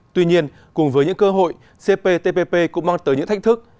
tuy nhiên cùng với những cơ hội cptpp cũng mang tới những thách thức